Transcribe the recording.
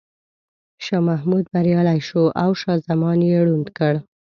شاه محمود بریالی شو او شاه زمان یې ړوند کړ.